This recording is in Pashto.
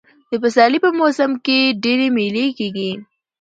د پسرلي په موسم کښي ډېرئ مېلې کېږي.